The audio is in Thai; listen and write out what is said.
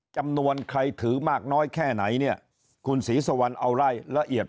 จำนวนใครถือมากน้อยแค่ไหนเนี่ยคุณศรีสุวรรณเอาไล่ละเอียด